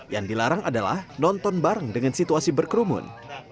yang dilarang adalah nonton bareng dengan situasi berkerumun